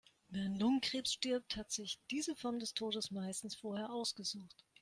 Wer an Lungenkrebs stirbt, hat sich diese Form des Todes meistens vorher ausgesucht.